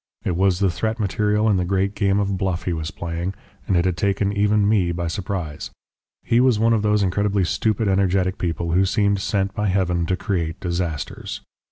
It was the threat material in the great game of bluff he was playing, and it had taken even me by surprise. He was one of those incredibly stupid energetic people who seem sent by Heaven to create disasters.